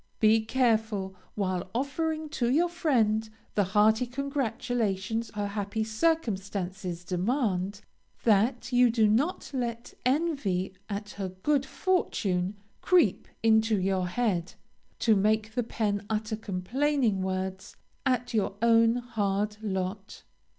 Be careful, while offering to your friend the hearty congratulations her happy circumstances demand, that you do not let envy at her good fortune, creep into your head, to make the pen utter complaining words at your own hard lot.